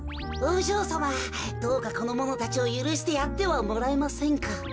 おじょうさまどうかこのものたちをゆるしてやってはもらえませんか？